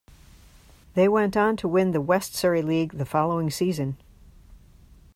They went on to win the West Surrey League the following season.